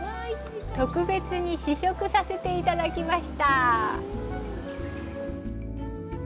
特別に試食させていただきます。